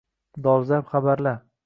Dolzarb xabarlar